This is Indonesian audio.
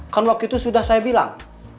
kan waktu itu sudah saya bilang